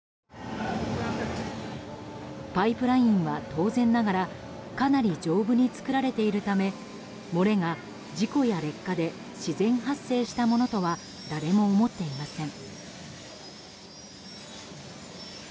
パイプラインは、当然ながらかなり丈夫に作られているため漏れが、事故や劣化で自然発生したものとは誰も思っていません。